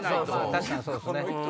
確かにそうですね。